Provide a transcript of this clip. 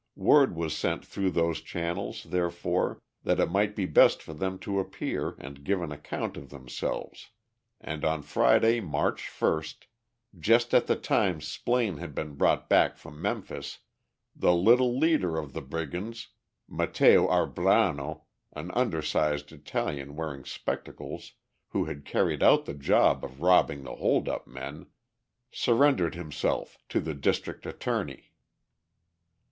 Word was sent through those channels, therefore, that it might be best for them to appear and give an account of themselves, and on Friday, March 1, just at the time Splaine had been brought back from Memphis, the little leader of the brigands, Matteo Arbrano, an undersized Italian wearing spectacles, who had carried out the job of robbing the hold up men, surrendered himself to the District Attorney.